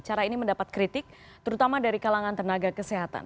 cara ini mendapat kritik terutama dari kalangan tenaga kesehatan